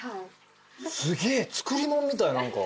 すげえ作り物みたい何か。